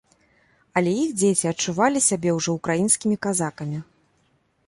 Але іх дзеці адчувалі сябе ўжо украінскімі казакамі.